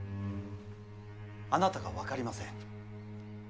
あなたが分かりません。